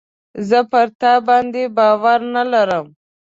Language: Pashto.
زه پر تا باندي باور نه لرم .